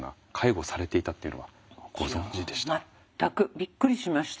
びっくりしました。